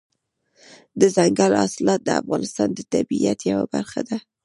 دځنګل حاصلات د افغانستان د طبیعت یوه برخه ده.